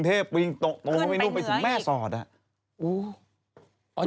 ทั้งหมด๔๐กว่าวัน